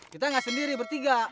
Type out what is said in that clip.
kita gak sendiri bertiga